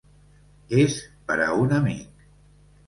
És per a un amic.